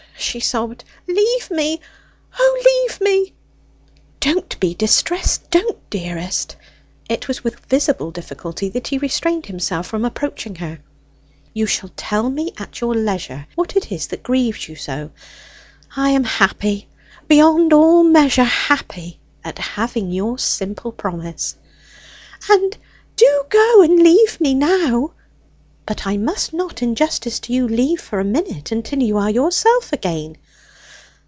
she sobbed; "leave me! O, leave me!" "Don't be distressed; don't, dearest!" It was with visible difficulty that he restrained himself from approaching her. "You shall tell me at your leisure what it is that grieves you so; I am happy beyond all measure happy! at having your simple promise." "And do go and leave me now!" "But I must not, in justice to you, leave for a minute, until you are yourself again."